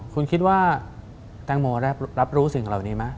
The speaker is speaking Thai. คุณคิดว่าแตงโมได้รับรู้สิ่งเหล่านี้ไหม